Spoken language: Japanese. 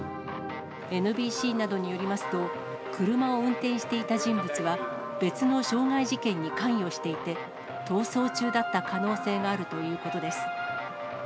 ＮＢＣなどによりますと、車を運転していた人物は別の傷害事件に関与していて、逃走中だった可能性があるということです。